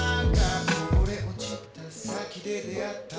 「零れ落ちた先で出会った」